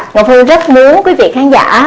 ngọc hưng rất muốn quý vị khán giả